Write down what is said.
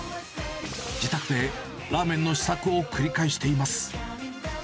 自宅でラーメンの試作を繰り返しています。